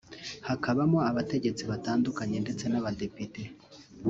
hakabamo abategetsi batandukanye ndetse n’abadepite